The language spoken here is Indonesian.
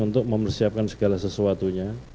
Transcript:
untuk mempersiapkan segala sesuatunya